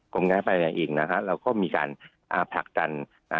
กลมงานภายในอีกนะครับเราก็มีการผลักจัน